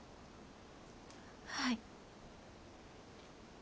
はい。